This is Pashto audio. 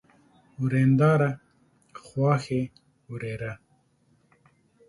ورېنداره ، خواښې، ورېره